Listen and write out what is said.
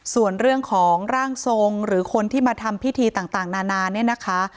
ส่วนเรื่องของร่างทรงหรือคนที่มาทำพิธีต่างนานาเนี่ยนะคะ